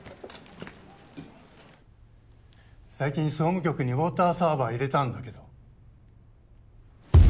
最近総務局にウォーターサーバー入れたんだけど。